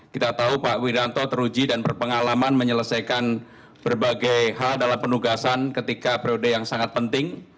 kita tahu pak wiranto teruji dan berpengalaman menyelesaikan berbagai hal dalam penugasan ketika periode yang sangat penting